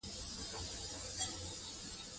دلته هم ښځه د يوه منفعل حيثيت خاونده ده.